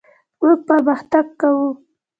موږ پرمختګ کوو.